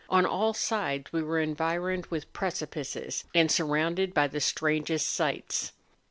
On all sides we were environed with precipices, and surrounded by the strangest sights.